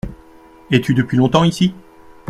Es-tu depuis longtemps ici ?